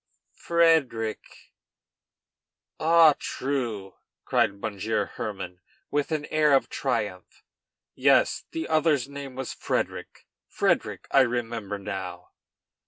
"Frederic " ["Ah! true," cried Monsieur Hermann, with an air of triumph. "Yes, the other's name was Frederic, Frederic! I remember now!"